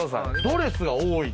ドレスが多い。